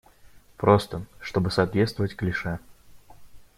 Просто, чтобы соответствовать клише.